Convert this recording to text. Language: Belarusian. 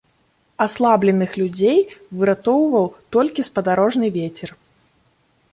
Аслабленых людзей выратоўваў толькі спадарожны вецер.